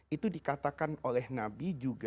itu dikatakan oleh nabi juga